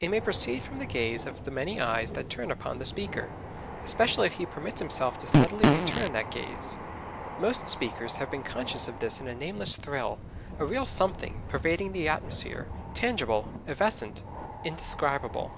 It may proceed from the gaze of the many eyes that turn upon the speaker, especially if he permits himself to steadily return that gaze. Most speakers have been conscious of this in a nameless thrill, a real something, pervading the atmosphere, tangible, evanescent, indescribable.